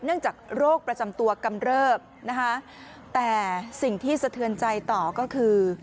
จากโรคประจำตัวกำเริบนะคะแต่สิ่งที่สะเทือนใจต่อก็คือ